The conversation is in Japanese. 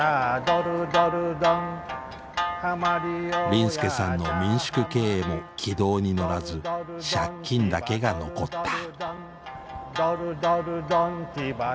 林助さんの民宿経営も軌道に乗らず借金だけが残った。